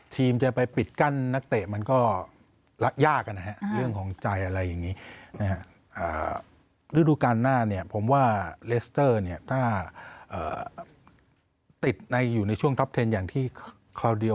ทีมจะไปปิดกั้นนักเตะมันก็ยากเรื่องของใจอะไรอย่างนี้